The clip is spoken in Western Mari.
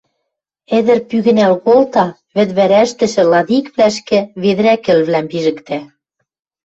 — ӹдӹр пӱгӹнӓл колта, вӹдвӓрӓштӹшӹ ладиквлӓшкӹ ведӹрӓ кӹлвлӓм пижӹктӓ